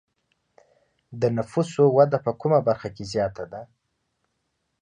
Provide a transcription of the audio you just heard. د نفوسو وده په کومه برخه کې زیاته ده؟